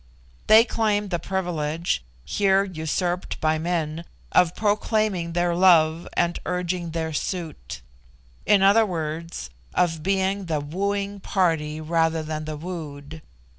They claim the privilege, here usurped by men, of proclaiming their love and urging their suit; in other words, of being the wooing party rather than the wooed.